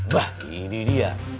bah ini dia